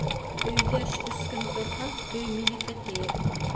Өйҙәш өс көн торһа, өй минеке, тиер.